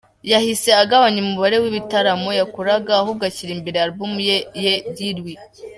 Yahise agabanya umubare w’ibitaramo yakoraga, ahubwo ashyira imbere Alubumu ye “dis lui”.